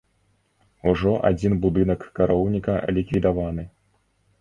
Ужо адзін будынак кароўніка ліквідаваны.